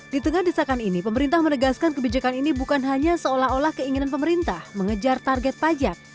di tengah desakan ini pemerintah menegaskan kebijakan ini bukan hanya seolah olah keinginan pemerintah mengejar target pajak